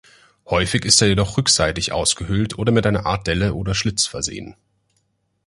Häufig ist er jedoch rückseitig ausgehöhlt oder mit einer Art Delle oder Schlitz versehen.